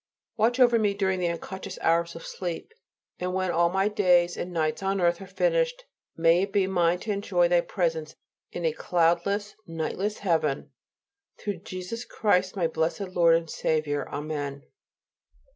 Watch over me during the unconscious hours of sleep; and when all my days and nights on earth are finished, may it be mine to enjoy Thy presence in a cloudless, nightless Heaven; through Jesus Christ, my blessed Lord and Saviour. Amen.